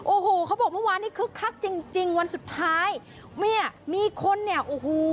โอ้โหเขาบอกเมื่อวานนี้คึกคักจริงจริงวันสุดท้ายเนี่ยมีคนเนี่ยโอ้โห